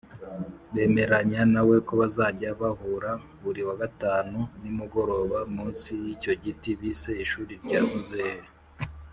bemeranya na we ko bazajya bahura buri wa gatanu nimugoroba munsi y’icyo giti bise “ishuri rya muzehe”.